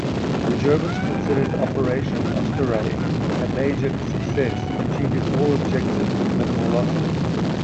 The Germans considered Operation "Osterei" a major success, achieving all objectives with minimal losses.